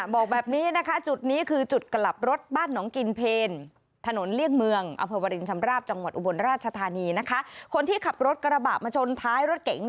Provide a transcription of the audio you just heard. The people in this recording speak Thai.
บอกแบบนี้นะคะจุดนี้คือจุดกลับรถบ้านน้องกินเพลย์